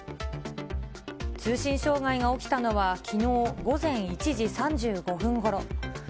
通信障害が起きたのはきのう午前１時３５分ごろ。